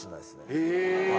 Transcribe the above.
え！